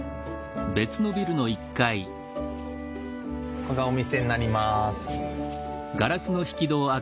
ここがお店になります。